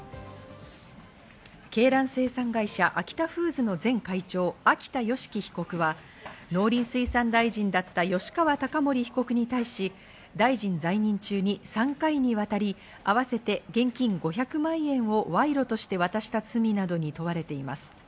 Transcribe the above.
鶏卵生産会社アキタフーズ前会長・秋田善祺被告は農林水産大臣だった吉川貴盛被告に対し、大臣在任中に３回にわたり合わせて現金５００万円を賄賂として渡した罪などに問われています。